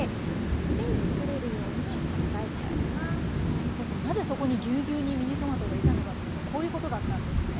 なるほどなぜそこにぎゅうぎゅうにミニトマトがいたのかというとこういうことだったんですね。